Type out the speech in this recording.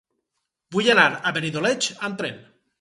Vull anar a Benidoleig amb tren.